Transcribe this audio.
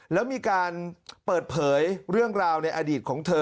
แล้วมีการเปิดเผยเรื่องราวในอดีตของเธอ